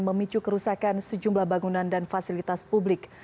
memicu kerusakan sejumlah bangunan dan fasilitas publik